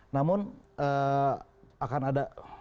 namun akan ada